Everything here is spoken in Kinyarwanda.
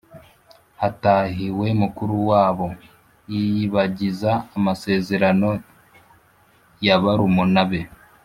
hatahiwe mukuru wabo. Yiyibagiza amasezerano ya barumuna be